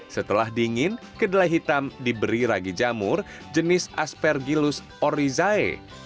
setelah dingin kedelai hitam diberi lagi jamur jenis aspergillus oryzae